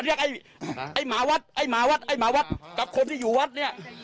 ไอ้ไอ้หมาวัดไอ้หมาวัดไอ้หมาวัดกับคนที่อยู่วัดเนี่ย